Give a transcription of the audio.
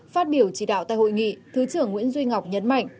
phát biểu chỉ đạo tại hội nghị thứ trưởng nguyễn duy ngọc nhấn mạnh